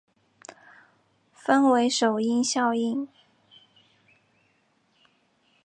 分为首因效应。